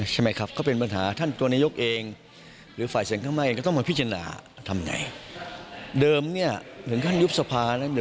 ใช่ไหมครับก็เป็นปัญหา